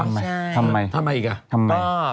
ไม่ใช่เนอะทำไมทำไมอีกอ่ะทำไม